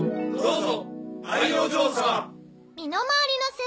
どうぞ。